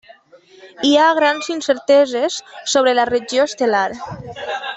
Hi ha grans incerteses sobre la regió estel·lar.